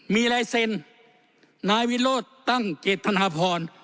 มีลายเซ็นนายวิโรธตั้งเกตธนพร